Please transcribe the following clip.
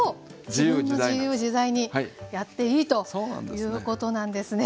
自分の自由自在にやっていいということなんですね。